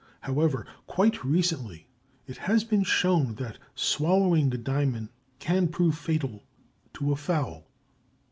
However, quite recently it has been shown that swallowing a diamond can prove fatal to a fowl.